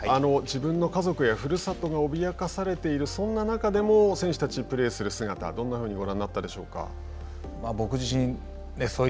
自分の家族やふるさとが脅かされているそんな中でも選手たちプレーをする姿どんなふうにご覧になったでしょうか。